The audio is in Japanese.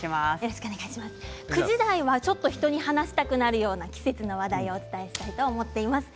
９時台はちょっと人に話したくなるような季節の話題をお伝えしたいと思います。